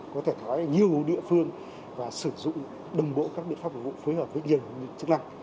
có thể nói ở nhiều địa phương và sử dụng đồng bộ các biện pháp phục vụ phối hợp với nhiều chức năng